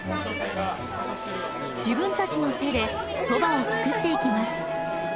自分たちの手でそばを作っていきます。